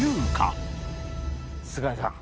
菅井さん。